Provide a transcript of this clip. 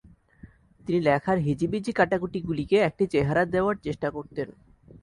তিনি লেখার হিজিবিজি কাটাকুটিগুলিকে একটি চেহারা দেওয়ার চেষ্টা করতেন।